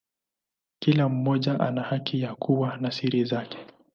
Kila mmoja ana haki ya kuwa na siri zake.